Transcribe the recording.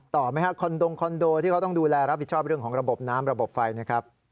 ต่อไหมฮะคอนดงคอนโดที่เขาต้องดูแลรับผิดชอบเรื่องของระบบน้ำระบบไฟนะครับ